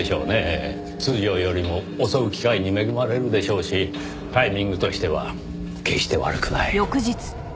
通常よりも襲う機会に恵まれるでしょうしタイミングとしては決して悪くない。